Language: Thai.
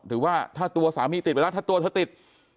หรือว่าถ้าตัวสามีติดไปแล้วถ้าตัวเธอติด